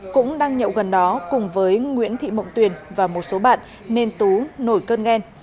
cũng đang nhậu gần đó cùng với nguyễn thị mộng tuyền và một số bạn nên tú nổi cơn ghen